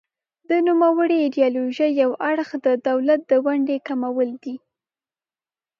د نوموړې ایډیالوژۍ یو اړخ د دولت د ونډې کمول دي.